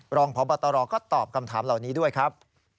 รองพบตรก็ตอบคำถามเหล่านี้ด้วยครับ